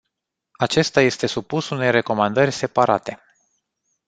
Acesta este supus unei recomandări separate.